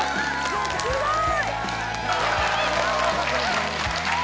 すごい！